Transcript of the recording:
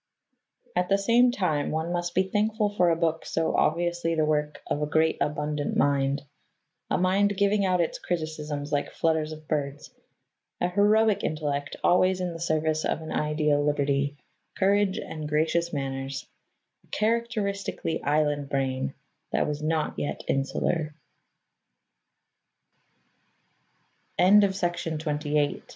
At the same time, one must be thankful for a book so obviously the work of a great abundant mind a mind giving out its criticisms like flutters of birds a heroic intellect always in the service of an ideal liberty, courage, and gracious manners a characteristically island brain, that was yet not insular. XVII OSCAR WILDE Oscar Wilde i